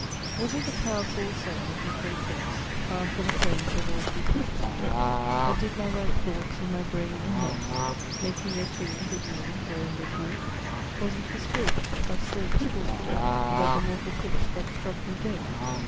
Was it the proud full sail of his great verse, Bound for the praise of all too precious you, That did my ripe thoughts in my brain inhearse, Making their tomb, the womb wherein they grew? Was it his spirit, by spirits taught to write Above a mortal pitch that struck me dead?